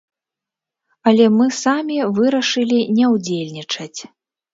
Але мы самі вырашылі не ўдзельнічаць.